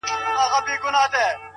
• خو وخته لا مړ سوى دی ژوندى نـه دی ـ